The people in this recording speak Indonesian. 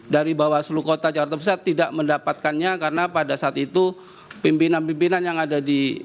dari bawaslu kota jakarta pusat tidak mendapatkannya karena pada saat itu pimpinan pimpinan yang ada di